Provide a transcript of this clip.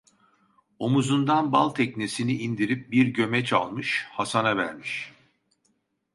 Omuzundan bal teknesini indirip bir gömeç almış, Hasan'a vermiş.